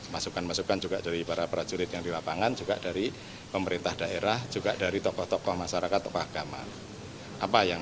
masukan masukan juga dari para prajurit yang di lapangan juga dari pemerintah daerah juga dari tokoh tokoh masyarakat tokoh agama